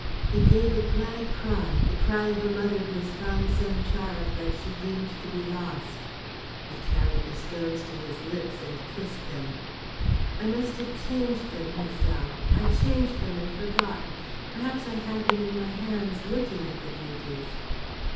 He gave a glad cry, the cry of a mother who has found some child that she deemed to be lost. He carried the stones to his lips and kissed them. "I must have changed them," he sobbed. "I changed them and forgot; perhaps I had them in my hands looking at the beauties."